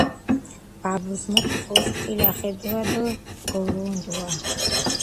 ბაბუს მოთა ხუს კილახედუა დო გორუნდუა